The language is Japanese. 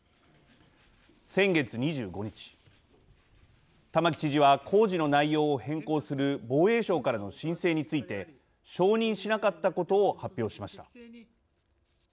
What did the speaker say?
先月２５日玉城知事は工事の内容を変更する防衛省からの申請について承認しなかったことを発表しました。